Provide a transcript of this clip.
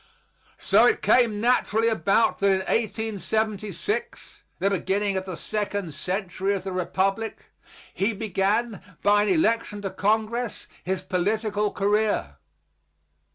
So it came naturally about that in 1876 the beginning of the second century of the Republic he began, by an election to Congress, his political career.